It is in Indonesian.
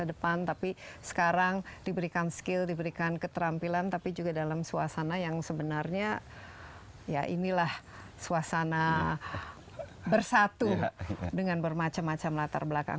di depan tapi sekarang diberikan skill diberikan keterampilan tapi juga dalam suasana yang sebenarnya ya inilah suasana bersatu dengan bermacam macam latar belakang